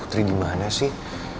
putri dimana sih